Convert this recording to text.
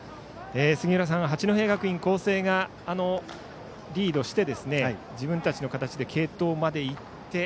杉浦さんは八戸学院光星がリードして自分たちの形で継投までいって。